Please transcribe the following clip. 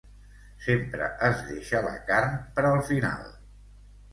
Sempre es deixa la carn per al final.